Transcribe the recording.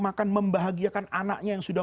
makan membahagiakan anaknya yang sudah